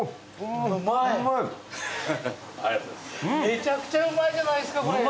めちゃくちゃうまいじゃないですかこれ。